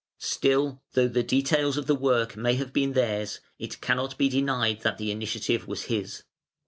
Still, though the details of the work may have been theirs, it cannot be denied that the initiative was his.